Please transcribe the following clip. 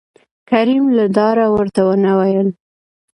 کريم له ډاره ورته ونه ويل